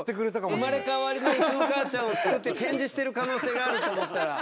生まれ変わりのうちの母ちゃんをすくって展示してる可能性があると思ったら。